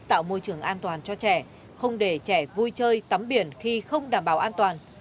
tạo môi trường an toàn cho trẻ không để trẻ vui chơi tắm biển khi không đảm bảo an toàn